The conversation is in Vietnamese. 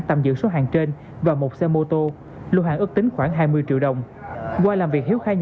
tạm giữ số hàng trên và một xe mô tô lưu hàng ước tính khoảng hai mươi triệu đồng qua làm việc hiếu khai